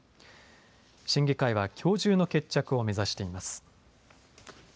審議会はきょう中の決着を目指しています。